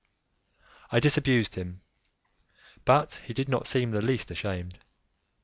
I disabused him, but he did not seem the least ashamed.